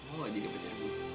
mau jadi pacar bu